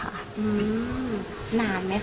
แล้วทีนี้ก็นอนนิ่งตรงที่เดิมจนถึงเช้าค่ะ